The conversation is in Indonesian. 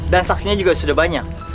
saksinya juga sudah banyak